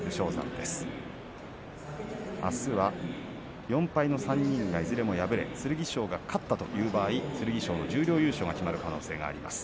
あすは４敗の３人がいずれも敗れて剣翔が勝ったという場合剣翔の十両優勝が決まる可能性があります。